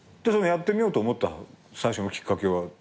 やってみようと思った最初のきっかけは？